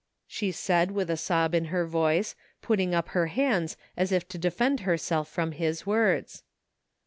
'' she said with a sob in her voice, putting up her hands as if to defend herself from his words.